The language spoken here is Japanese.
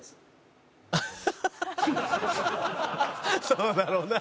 「そうだろうな。